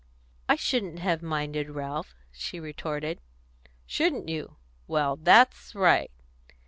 "I shouldn't have minded, Ralph," she retorted. "Shouldn't you? Well, that's right."